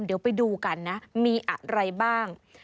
เดี๋ยวไปดูกันนะมีอะไรบ้าง